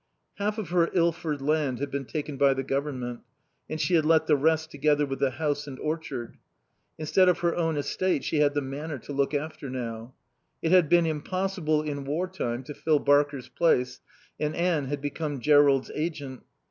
Half of her Ilford land had been taken by the government; and she had let the rest together with the house and orchard. Instead of her own estate she had the Manor to look after now. It had been impossible in war time to fill Barker's place, and Anne had become Jerrold's agent.